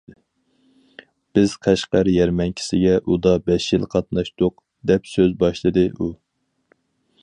بىز قەشقەر يەرمەنكىسىگە ئۇدا بەش يىل قاتناشتۇق،- دەپ سۆز باشلىدى ئۇ.